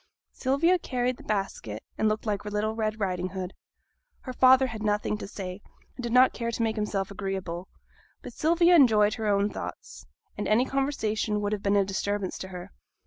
Sylvia carried the basket, and looked like little Red Riding Hood. Her father had nothing to say, and did not care to make himself agreeable; but Sylvia enjoyed her own thoughts, and any conversation would have been a disturbance to her.